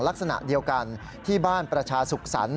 ลักษณะเดียวกันที่บ้านประชาสุขสรรค